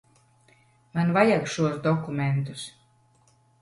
Man vajag šos dokumentus.